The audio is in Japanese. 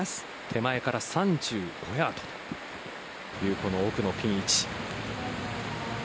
手前から３５ヤードという奥のピン位置。